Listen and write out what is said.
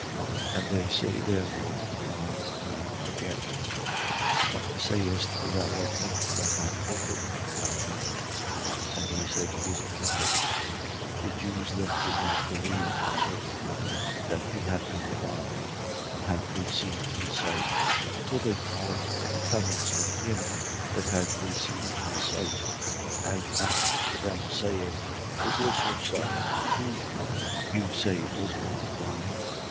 9:17. They say therefore to the blind man again: What sayest thou of him that hath opened thy eyes? And he said: He is a prophet. 9:18. The Jews then did not believe concerning him, that he had been blind and had received his sight, until they called the parents of him that had received his sight, 9:19. And asked them, saying: Is this your son, who you say was born blind?